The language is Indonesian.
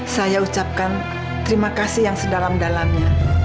saya ucapkan terima kasih yang sedalam dalamnya